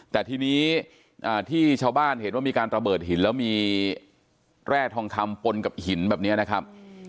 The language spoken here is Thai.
แต่ทีนี้ที่ชาวบ้านเห็นว่ามีการระเบิดหินแล้วมีแร่ทองคำปนกับหินแบบนี้นะครับ